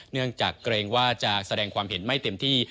เนื่องจากเกรงว่าจะแสดงความเห็นไม่เต็มที่